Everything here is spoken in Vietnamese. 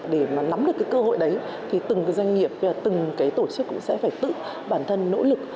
để nắm được cơ hội đấy từng doanh nghiệp và từng tổ chức cũng sẽ phải tự bản thân nỗ lực